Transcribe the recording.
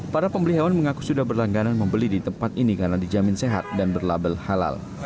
para pembeli hewan mengaku sudah berlangganan membeli di tempat ini karena dijamin sehat dan berlabel halal